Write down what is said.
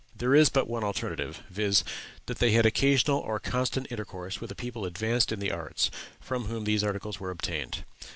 There is but one alternative, viz., that they had occasional or constant intercourse with a people advanced in the arts, from whom these articles were obtained.